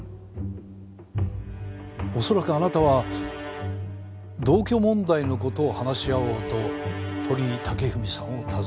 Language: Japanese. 恐らくあなたは同居問題の事を話し合おうと鳥居武文さんを訪ねた。